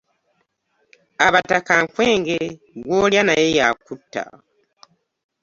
Abataka nkwenge , gwolya naye y'akutta .